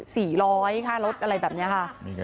ร้อยค่ารถอะไรแบบนี้ค่ะ